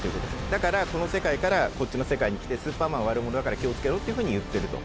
だからこの世界からこっちの世界に来てスーパーマンは悪者だから気を付けろっていうふうに言ってると。